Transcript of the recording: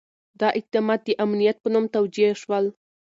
دا اقدامات د امنیت په نوم توجیه شول.